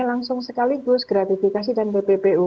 langsung sekaligus gratifikasi dan bppu